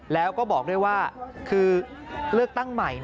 แล้วก็บอกด้วยว่าคือเลือกตั้งใหม่